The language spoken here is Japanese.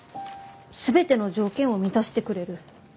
全ての条件を満たしてくれる。